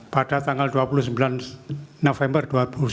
pada tanggal dua puluh sembilan november dua ribu sembilan belas